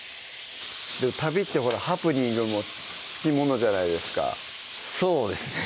旅ってほらハプニングも付き物じゃないですかそうですね